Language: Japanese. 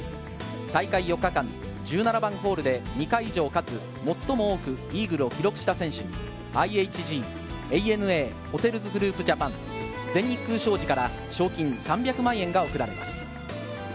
大会４日間、１７番ホールで２回以上かつ、最も多くイーグルを記録した選手に、ＩＨＧ・ＡＮＡホテルズグループジャパン、全日空商事から賞金３００万円が贈られます。